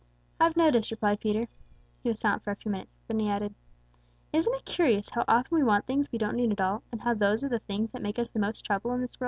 "I've noticed," replied Peter. He was silent for a few minutes. Then he added: "Isn't it curious how often we want things we don't need at all, and how those are the things that make us the most trouble in this world?"